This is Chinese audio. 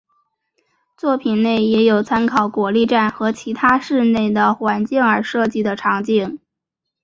作品内也有参考国立站和其他市内的环境而设计的场景。